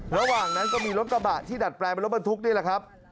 ระหว่างนั้นก็มีรถกระบะที่ดัดแปลงเป็นรถบรรทุกนี่แหละครับ